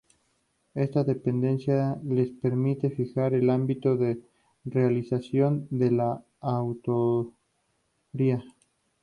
Esta dependencia les permite fijar el ámbito de realización de la auditoría.